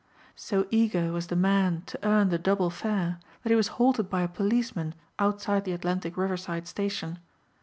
So eager was the man to earn the double fare that he was halted by a policeman outside the Atlantic Riverside Station.